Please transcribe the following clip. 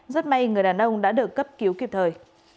rất may người đàn ông đã được cấp cứu kịp thời